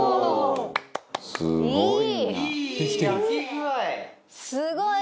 すごい！